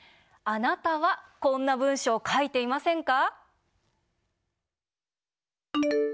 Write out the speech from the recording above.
あなたはこんな文章、書いていませんか？